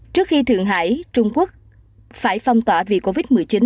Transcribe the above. trước khi thượng hải trung quốc phải phong tỏa vì covid một mươi chín